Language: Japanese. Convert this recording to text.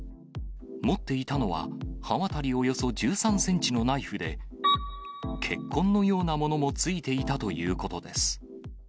持っていたのは、刃渡りおよそ１３センチのナイフで、血痕のようなものもついていたということです。